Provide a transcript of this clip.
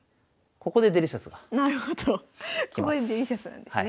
ここでデリシャスなんですね。